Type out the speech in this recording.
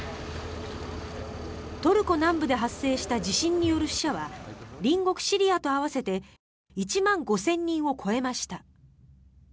トルコ南部で発生した地震による死者は隣国シリアと合わせて１万５０００人を超えました。